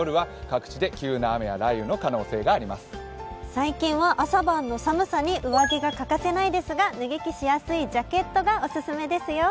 最近は朝晩の寒さに上着が欠かせないですが脱ぎ着しやすいジャケットがおすすめですよ。